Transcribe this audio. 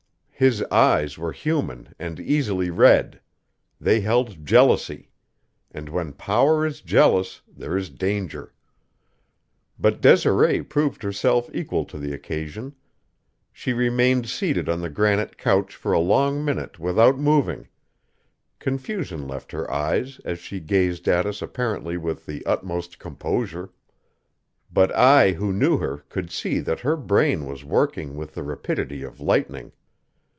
His eyes were human and easily read; they held jealousy; and when power is jealous there is danger. But Desiree proved herself equal to the occasion. She remained seated on the granite couch for a long minute without moving; confusion left her eyes as she gazed at us apparently with the utmost composure; but I who knew her could see that her brain was working with the rapidity of lightning.